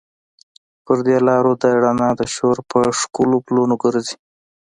پر دې لارو د رڼا د شور، په ښکلو پلونو ګرزي